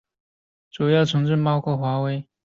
主要城镇包括华威和皇家利明顿温泉。